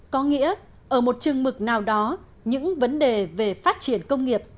có nghĩa ở một chừng mực nào đó những vấn đề về phát triển công nghiệp